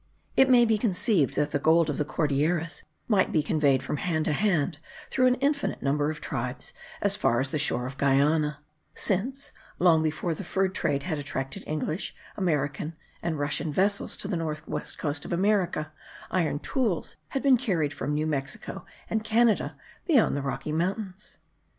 It may be conceived that the gold of the Cordilleras might be conveyed from hand to hand, through an infinite number of tribes, as far as the shore of Guiana; since, long before the fur trade had attracted English, Russian, and American vessels to the north west coast of America, iron tools had been carried from New Mexico and Canada beyond the Rocky Mountains.